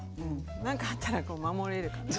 何かあったらこう守れるからね。